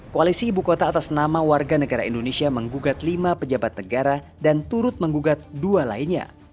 koalisi ibu kota atas nama warga negara indonesia menggugat lima pejabat negara dan turut menggugat dua lainnya